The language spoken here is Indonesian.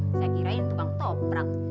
saya kirain bang toprak